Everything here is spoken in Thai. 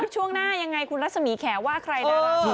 ช่วงหน้ายังไงคุณรัสสมียแขว่าใครด้านหลัง